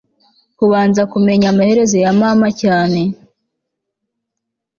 kubanza kumenya amaherezo ya mama cyane